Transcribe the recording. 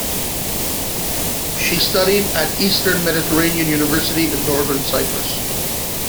She studied at the Eastern Mediterranean University in Northern Cyprus.